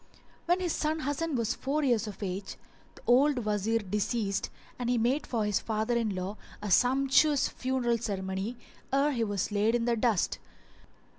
When his son Hasan was four years of age, the old Wazir deceased and he made for his father in law a sumptuous funeral ceremony ere he was laid in the dust.